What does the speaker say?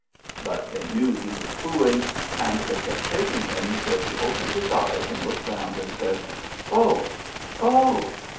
But they knew he was fooling, and they kept shaking him till he opened his eyes and looked round, and said, "Oh, oh!